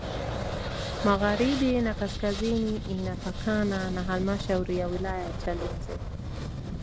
Magharibi na kaskazini inapakana na Halmashauri ya wilaya ya Chalinze